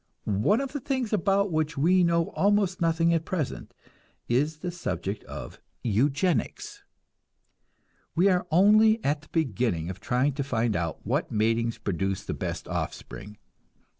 One of the things about which we know almost nothing at present is the subject of eugenics. We are only at the beginning of trying to find out what matings produce the best offspring.